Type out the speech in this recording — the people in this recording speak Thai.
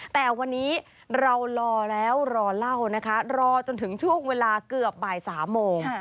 แต่วันนี้เรารอแล้วรอเล่านะคะรอจนถึงช่วงเวลาเกือบบ่าย๓โมง